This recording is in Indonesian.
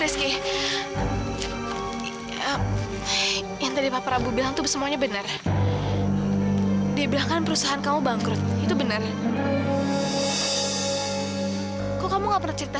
sampai jumpa di video selanjutnya